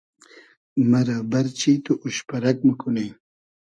مئرۂ بئرچی تو اوش پئرئگ موکونی